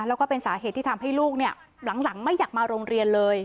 แล้วก็เป็นสาเหตุที่ทำให้ลูกเนี่ยหลังไม่อยากมาโรงเรียนเลย